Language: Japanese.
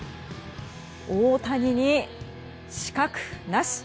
大谷に死角なし。